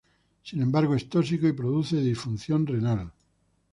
Sin embargo es tóxico y produce disfunción renal.